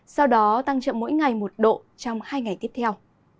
sau đó nền nhiệt tăng chậm mỗi ngày một độ trong hai ngày tiếp theo